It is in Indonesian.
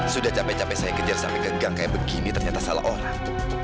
sudah capek capek saya kejar sampai ke gang kayak begini ternyata salah orang